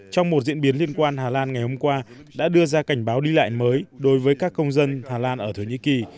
trong một diễn biến liên quan hà lan ngày hôm qua đã đưa ra cảnh báo đi lại mới đối với các công dân hà lan ở thổ nhĩ kỳ